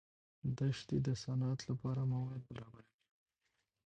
دښتې د صنعت لپاره مواد برابروي.